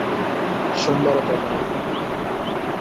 সোমবারে দেখা হবে!